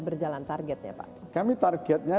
berjalan targetnya pak kami targetnya